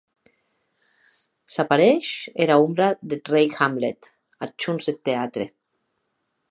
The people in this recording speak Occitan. S’apareish era ombra deth rei Hamlet ath hons deth teatre.